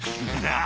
ああ！